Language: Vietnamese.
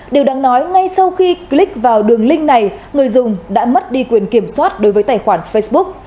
điều đáng nói ngay sau khi click vào đường link này người dùng đã mất đi quyền kiểm soát đối với tài khoản facebook